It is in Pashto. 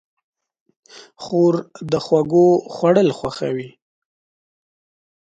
خور د خوږو خوړل خوښوي.